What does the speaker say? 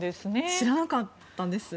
知らなかったです。